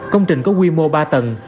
công trình có quy mô ba tầng